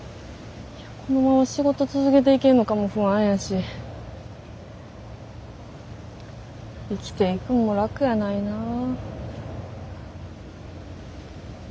このまま仕事続けていけんのかも不安やし生きていくんも楽やないなあ。